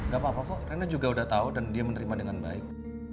gak apa apa kok rena juga udah tahu dan dia menerima dengan baik